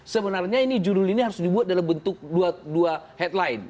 sebenarnya ini judul ini harus dibuat dalam bentuk dua headline